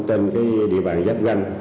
trên cái địa mạng giáp doanh